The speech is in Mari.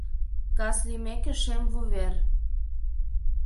Кас лиймеке, шем вувер